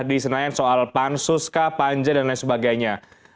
di senayan soal pansus kah panja dan lain sebagainya